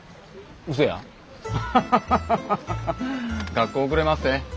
学校遅れまっせ。